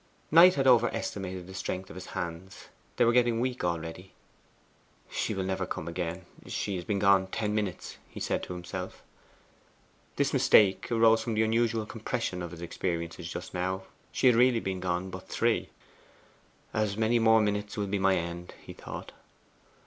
Knight had over estimated the strength of his hands. They were getting weak already. 'She will never come again; she has been gone ten minutes,' he said to himself. This mistake arose from the unusual compression of his experiences just now: she had really been gone but three. 'As many more minutes will be my end,' he thought.